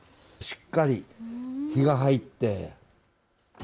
しっかり日が入って。